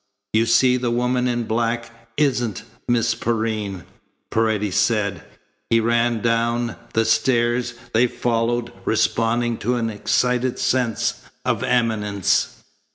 "You see the woman in black isn't Miss Perrine," Paredes said. He ran down the stairs. They followed, responding to an excited sense of imminence.